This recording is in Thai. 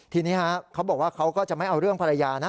ทีนี้เขาบอกว่าเขาก็จะไม่เอาเรื่องภรรยานะ